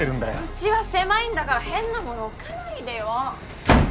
うちは狭いんだから変なもの置かないでよ。